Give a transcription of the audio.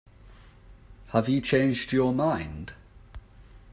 Have you changed your mind?